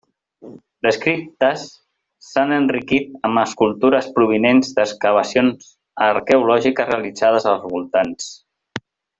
Les criptes s'han enriquit amb escultures provinents d'excavacions arqueològiques realitzades als voltants.